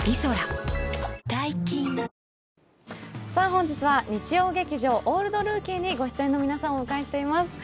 本日は日曜劇場「オールドルーキー」にご出演の皆さんをお迎えしています。